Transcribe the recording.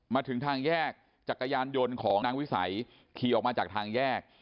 มาถึงทางแยกจักรยานยนต์ของนางวิสัยขี่ออกมาจากทางแยก